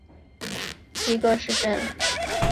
瓦尔任阿雷格里是巴西米纳斯吉拉斯州的一个市镇。